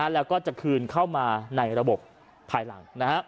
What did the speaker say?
แล้วก็จะคืนเข้ามาในระบบภายหลัง